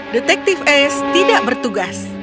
detektif ace tidak bertugas